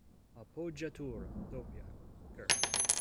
"Appoggiatura doppia"; Ger.